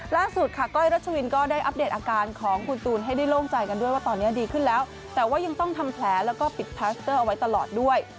ล่าสุดค่ะก้อยรัชวินก็ได้อัปเดตอาการของคุณตูนให้ได้โล่งใจกันด้วยว่าตอนนี้ดีขึ้นแล้วแต่ว่ายังต้องทำแผลแล้วก็ปิดคลัสเตอร์เอาไว้ตลอดด้วย